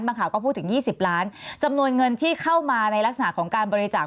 ข่าวก็พูดถึง๒๐ล้านจำนวนเงินที่เข้ามาในลักษณะของการบริจาค